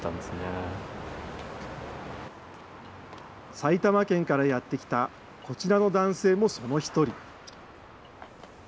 埼玉県からやって来た、こちらの男性もその一人。